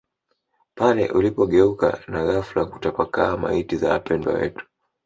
pale ulipogeuka na ghafla na kutapakaa Maiti za wapendwa wetu